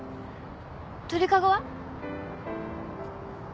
鳥籠は？